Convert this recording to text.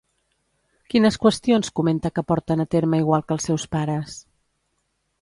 Quines qüestions comenta que porten a terme igual que els seus pares?